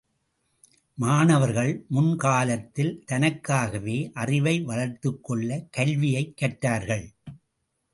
மாணவர்கள் முன்காலத்தில் தனக்காகவே, அறிவை வளர்த்துக் கொள்ள கல்வியைக் கற்றார்கள்.